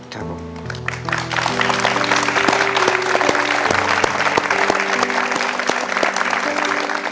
ครับลูก